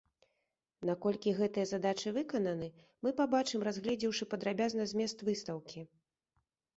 Наколькі гэтыя задачы выкананы, мы пабачым, разгледзеўшы падрабязна змест выстаўкі.